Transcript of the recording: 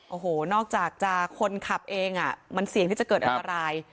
โอ้โหนอกจากจะคนขับเองมันเสี่ยงที่จะเกิดอันตราย